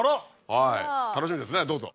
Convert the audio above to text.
はい楽しみですねどうぞ。